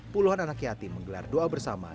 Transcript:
puluhan anak yatim menggelar doa bersama